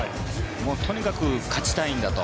とにかく勝ちたいんだと。